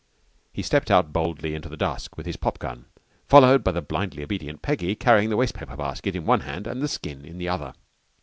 He stepped out boldly into the dusk with his pop gun, followed by the blindly obedient Peggy carrying the wastepaper basket in one hand and the skin in the other.